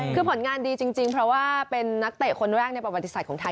คือผลงานดีจริงเพราะว่าเป็นนักเตะคนแรกในประวัติศาสตร์ของไทย